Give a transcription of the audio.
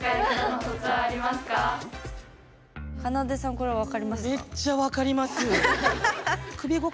これ分かりますか？